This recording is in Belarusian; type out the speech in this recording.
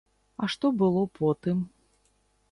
А што было потым?